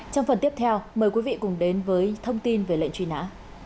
trong phần tiếp theo mời quý vị cùng đến với thông tin về lệnh truy nã